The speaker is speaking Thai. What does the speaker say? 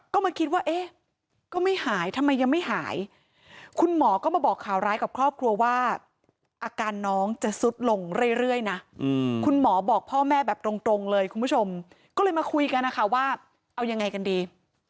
ก็มาคิดว่าเอ๊ะก็ไม่หายทำไมยังไม่หายคุณหมอก็มาบอกข่าวร้ายกับครอบครัวว่าอาการน้องจะสุดลงเรื่อยนะคุณหมอบอกพ่อแม่แบบตรงเลยคุณผู้ชมก็เลยมาคุยกันนะคะว่าเอายังไงกันดี